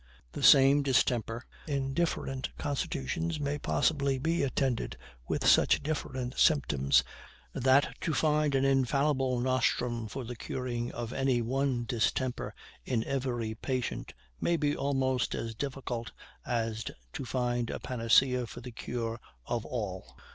The same distemper, in different constitutions, may possibly be attended with such different symptoms, that to find an infallible nostrum for the curing any one distemper in every patient may be almost as difficult as to find a panacea for the cure of all.